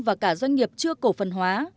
và cả doanh nghiệp chưa cổ phần hóa